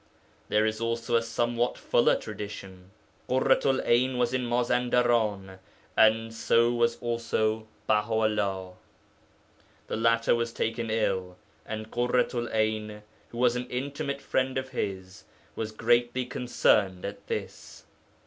There is also a somewhat fuller tradition. Ḳurratu'l 'Ayn was in Mazandaran, and so was also Baha'ullah. The latter was taken ill, and Ḳurratu'l 'Ayn, who was an intimate friend of his, was greatly concerned at this.